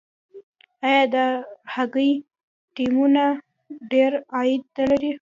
آیا د هاکي ټیمونه ډیر عاید نلري؟